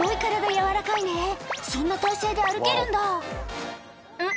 軟らかいねそんな体勢で歩けるんだん？